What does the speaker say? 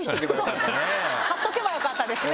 貼っておけばよかったですね。